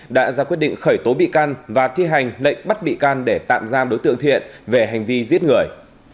đã ra quyết định khởi tố bị can và thi hành lệnh bắt bị can để tạm giam đối tượng thiện về hành vi giết người